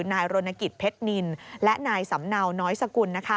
นายรณกิจเพชรนินและนายสำเนาน้อยสกุล